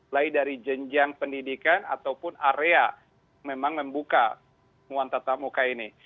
lain dari jenjang pendidikan ataupun area memang membuka pembukaan tatamuka ini